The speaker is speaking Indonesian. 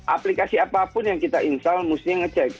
aplikasi apapun yang kita install mestinya ngecek